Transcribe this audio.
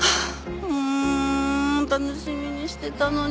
ん楽しみにしてたのに。